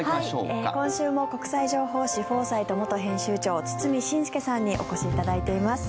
今週も、国際情報誌「フォーサイト」元編集長堤伸輔さんにお越しいただいています。